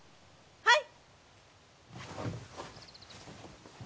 はい！